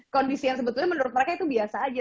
kondisi yang sebetulnya menurut mereka itu biasa aja